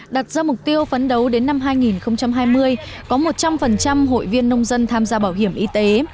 đặt ra mục tiêu phấn đấu đến năm hai nghìn hai mươi có một trăm linh hội viên nông dân tham gia bảo hiểm y tế